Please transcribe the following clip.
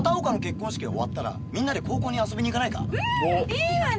いいわね！